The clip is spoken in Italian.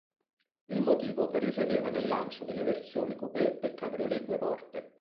Il motivo risiedeva nel lancio delle versioni coupé e cabriolet due porte.